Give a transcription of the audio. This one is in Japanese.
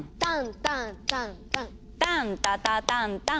タンタタタタタン。